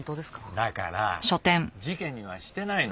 だから事件にはしてないの。